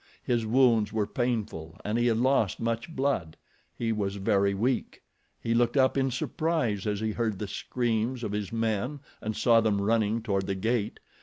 His wounds were painful and he had lost much blood. He was very weak. He looked up in surprise as he heard the screams of his men and saw them running toward the gate.